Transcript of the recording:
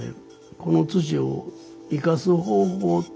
この土を生かす方法